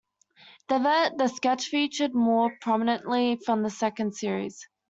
The "Vet" - The sketch featured more prominently from the second series.